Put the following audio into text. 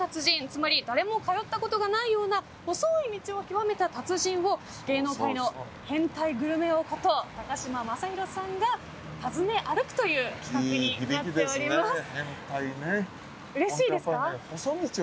つまり、誰も通ったことがないような細い道を究めた達人を芸能界の変態グルメ王こと高嶋政宏さんが訪ね歩くという企画になっております。